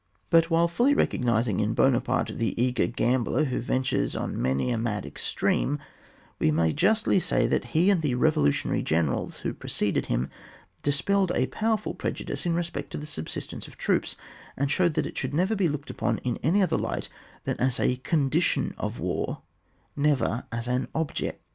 But while fuDy recognising in Buona parte the eager gambler who ventures on many a mad extreme, we may justly say that he and the revolutionary generals who preceded him dispelled a powerful prejudice in respect to the subsistence of troops, and showed that it should never be looked upon in any other light than as a eonditton of war, never as an object.